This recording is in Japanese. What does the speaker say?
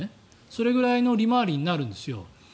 それくらいの利回りになるんですよ。